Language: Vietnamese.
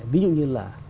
ví dụ như là